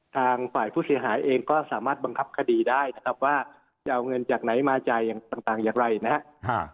ทางฝ่ายผู้เสียหายเองก็สามารถบังคับคดีได้นะครับว่าจะเอาเงินจากไหนมาจ่ายอย่างต่างอย่างไรนะครับ